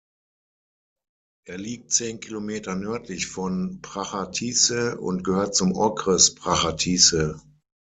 Er liegt zehn Kilometer nördlich von Prachatice und gehört zum Okres Prachatice.